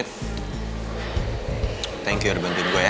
thank you udah bantuin gue ya